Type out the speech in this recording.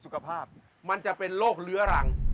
สุขภาพมันจะเป็นโรคเรื้อรัง